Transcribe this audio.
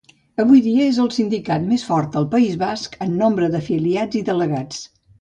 Avui dia, és el sindicat més fort al País Basc en nombre d'afiliats i delegats.